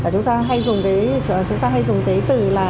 chúng ta hay dùng cái từ là